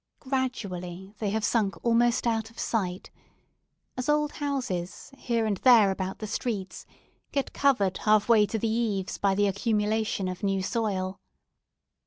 Gradually, they have sunk almost out of sight; as old houses, here and there about the streets, get covered half way to the eaves by the accumulation of new soil.